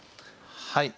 はい。